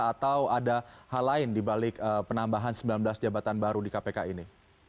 atau ada hal lain dibalik penambahan sembilan belas jabatan baru di kpk ini